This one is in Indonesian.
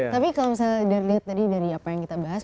tapi kalau misalnya dilihat tadi dari apa yang kita bahas